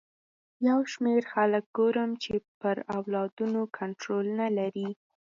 یو شمېر خلک ګورم چې پر اولادونو کنټرول نه لري.